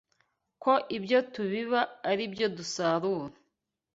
ko ibyo tubiba ari byo dusarura